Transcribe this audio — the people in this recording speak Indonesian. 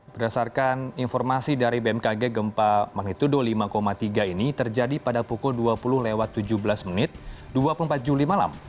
berdasarkan informasi dari bmkg gempa magnitudo lima tiga ini terjadi pada pukul dua puluh tujuh belas menit dua puluh empat juli malam